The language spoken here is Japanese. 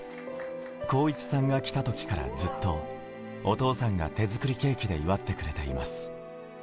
航一さんが来た時からずっとお父さんが手作りケーキで祝ってくれています。